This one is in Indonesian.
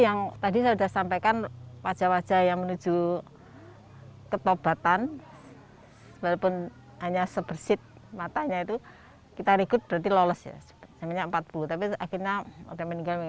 nah di era pandemi saya sering kali ke pasar pagi pagi